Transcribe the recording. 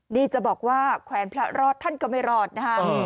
นี่จะบอกว่าแขวนพระรอดท่านก็ไม่รอดนะฮะ